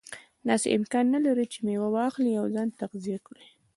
داسې امکان نه لري چې میوه واخلي او ځان تغذیه کړي.